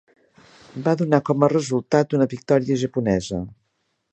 Va donar com a resultat una victòria japonesa.